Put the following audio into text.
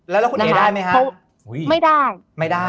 แล้วคุณเอกได้ไหมคะ